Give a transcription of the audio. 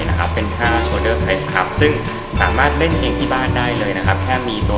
นะครับเป็นค่าซึ่งสามารถเล่นเองที่บ้านได้เลยนะครับแทบมีตัว